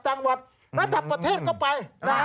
จังหวัดระดับประเทศก็ไป